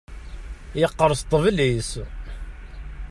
Yeqqerṣ ṭṭbel-is.